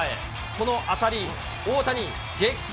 この当たり、大谷、激走。